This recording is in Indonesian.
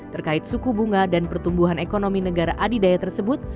terkait suku bunga dan pertumbuhan ekonomi negara adidaya tersebut